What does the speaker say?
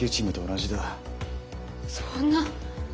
そんな。